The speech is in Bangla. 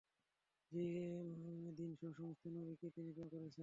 যে দীনসহ সমস্ত নবীকে তিনি প্রেরণ করেছেন।